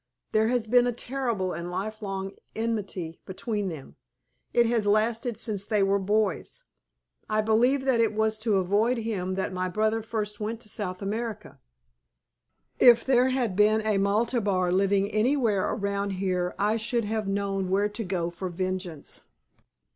There has been a terrible and lifelong enmity between them. It has lasted since they were boys. I believe that it was to avoid him that my brother first went to South America. If there had been a Maltabar living anywhere around here I should have known where to go for vengeance."